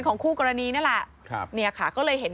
โปรดติดตามต่อไป